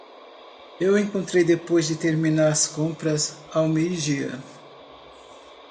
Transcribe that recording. Eu encontrei depois de terminar as compras ao meio-dia.